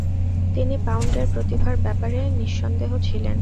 তিনি পাউন্ডের প্রতিভার ব্যাপারে নিঃসন্দেহ ছিলেন।